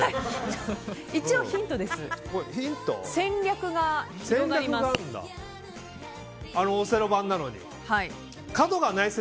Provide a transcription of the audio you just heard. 一応ヒントです。